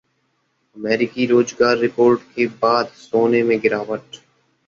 अमेरिकी रोजगार रिपोर्ट के बाद सोने में गिरावट